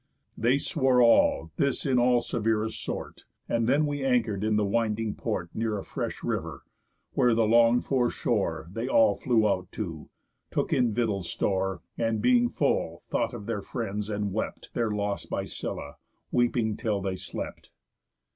They swore all this in all severest sort; And then we anchor'd in the winding port Near a fresh river, where the long'd for shore They all flew out to, took in victuals store, And, being full, thought of their friends, and wept Their loss by Scylla, weeping till they slept.